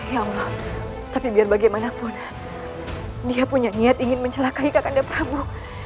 ya allah tapi biar bagaimanapun dia punya niat ingin mencelakai kakak anda prabu